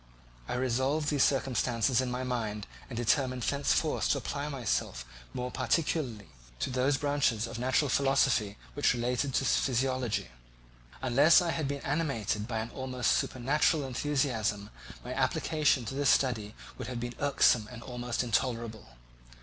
I revolved these circumstances in my mind and determined thenceforth to apply myself more particularly to those branches of natural philosophy which relate to physiology. Unless I had been animated by an almost supernatural enthusiasm, my application to this study would have been irksome and almost intolerable.